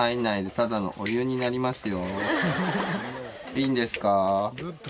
いいんですか？